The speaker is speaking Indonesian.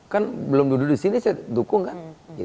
kan belum duduk disini saya dukung kan